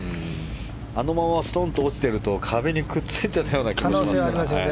あのままストンと落ちてると壁にくっついていたような可能性がありますね。